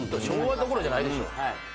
昭和どころじゃないでしょ。